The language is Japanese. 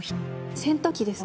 洗濯機ですか？